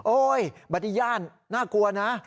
โอ๊ยบรรทิยาลน่ากลัวนะ